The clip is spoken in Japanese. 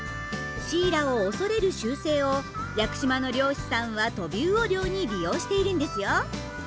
シイラを恐れる習性を屋久島の漁師さんはトビウオ漁に利用しているんですよ。